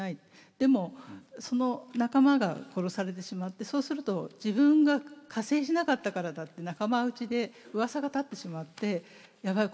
でもその仲間が殺されてしまってそうすると自分が加勢しなかったからだって仲間内でうわさが立ってしまって「やばい。